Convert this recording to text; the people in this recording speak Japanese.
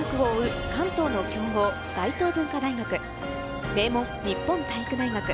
女王・名城大学を追う関東の強豪・大東文化大学、名門・日本体育大学。